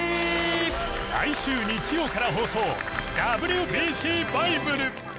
来週日曜から放送『ＷＢＣバイブル』。